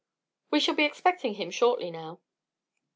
"We shall be expecting him shortly now."